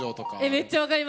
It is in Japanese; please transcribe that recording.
めっちゃ分かります。